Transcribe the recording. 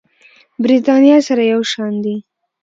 برېتانيا سره یو شان دي.